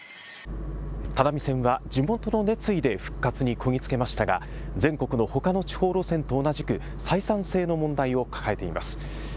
只見線は地元の熱意で復活にこぎ着けましたが全国のほかの地方路線と同じく採算性の問題を抱えています。